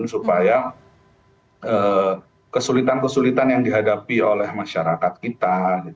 supaya kesulitan kesulitan yang dihadapi oleh masyarakat kita